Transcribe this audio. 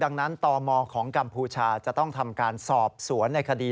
ดังนั้นตระหว่าธุรกิจจะต้องทำการสอบสวนในคดี